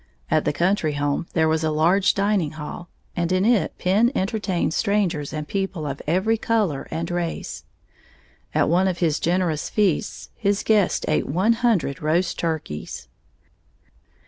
At the country home there was a large dining hall, and in it Penn entertained strangers and people of every color and race. At one of his generous feasts his guests ate one hundred roast turkeys.